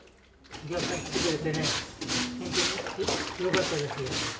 たくさん来てくれてね、本当によかったですよ。